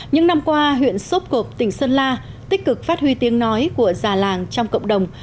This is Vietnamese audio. những năm qua huyện sốp cộp tỉnh sơn la tích cực phát huy tiếng nói của già làng trong cộng đồng